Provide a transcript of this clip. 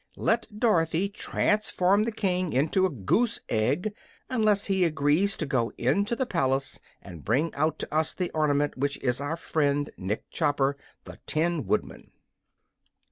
Let Dorothy transform the King into a goose egg unless he agrees to go into the palace and bring out to us the ornament which is our friend Nick Chopper, the Tin Woodman."